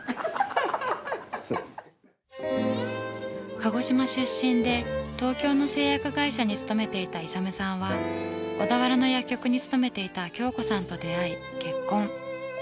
鹿児島出身で東京の製薬会社に勤めていた勇さんは小田原の薬局に勤めていた京子さんと出会い結婚。